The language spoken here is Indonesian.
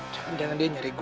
jangan jangan dia nyeri gue